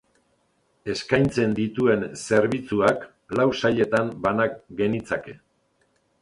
Eskaintzen dituen zerbitzuak lau sailetan bana genitzake.